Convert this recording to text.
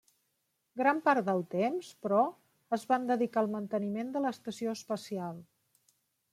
Gran part del temps, però, es van dedicar al manteniment de l'estació espacial.